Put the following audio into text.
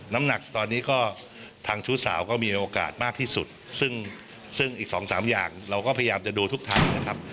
น้ำหนักตอนนี้ก็ทางชู้สาวก็มีโอกาสมากที่สุดซึ่งอีกสองสามอย่างเราก็พยายามจะดูทุกทางนะครับ